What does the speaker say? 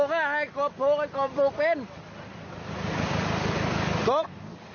ให้โกบโกบสวุกเป็น